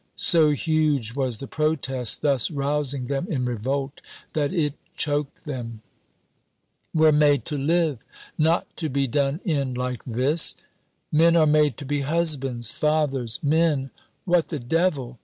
So huge was the protest thus rousing them in revolt that it choked them. "We're made to live, not to be done in like this!" "Men are made to be husbands, fathers men, what the devil!